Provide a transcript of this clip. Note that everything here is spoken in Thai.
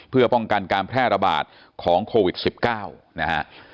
เพื่อป้องกันการแพร่ระบาดของโควิด๑๙นะฮะ